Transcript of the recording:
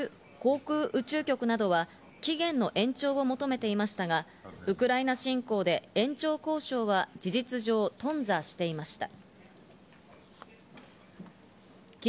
ＮＡＳＡ＝アメリカ航空宇宙局などは期限の延長を求めていましたが、ウクライナ侵攻で延長交渉は事実上頓挫していました。